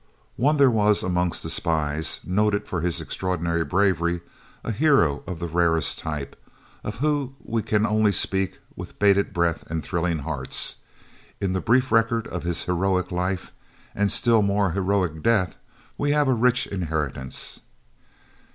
One there was amongst the spies, noted for his extraordinary bravery, a hero of the rarest type, of whom we can only speak with bated breath and thrilling hearts. In the brief record of his heroic life and still more heroic death we have a rich inheritance.